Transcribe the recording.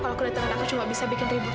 kalau kedatangan aku cuma bisa bikin ribut